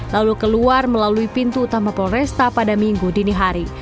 lalu keluar melalui pintu utama polresta pada minggu dini hari